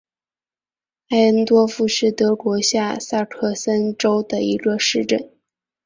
艾恩多夫是德国下萨克森州的一个市镇。